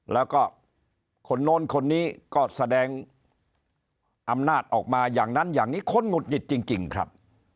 แล้วก็คนโน้นคนนี้ก็แสดงอำนาจออกมาอย่างนั้นอย่างนี้คนหงุดหงิดจริงครับ